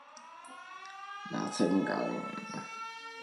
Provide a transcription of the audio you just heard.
Playing together brings joy and laughter to both of us.